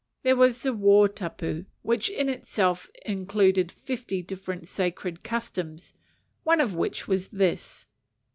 There was the war tapu, which in itself included fifty different "sacred customs," one of which was this.